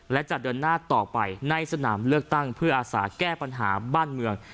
และจะเดินหน้าต่อไปในสนามเลือกตั้งเพื่ออาสาแก้ปัญหาบ้านเมือง